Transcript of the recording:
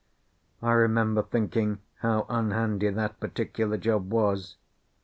I remember thinking how unhandy that particular job was.